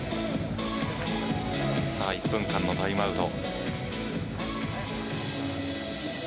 １分間のタイムアウト。